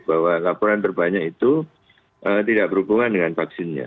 bahwa laporan terbanyak itu tidak berhubungan dengan vaksinnya